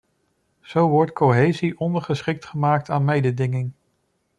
Zo wordt cohesie ondergeschikt gemaakt aan mededinging.